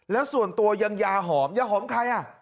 แล้วส่วนตัวยังยาหอมยาหอมใครอ่ะ